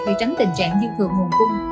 để tránh tình trạng như thường nguồn khung